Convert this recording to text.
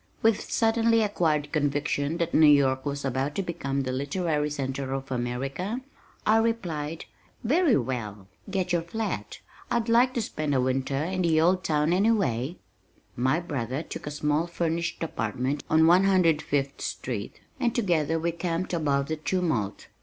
With suddenly acquired conviction that New York was about to become the Literary Center of America, I replied, "Very well. Get your flat. I'd like to spend a winter in the old town anyway." My brother took a small furnished apartment on 105th Street, and together we camped above the tumult.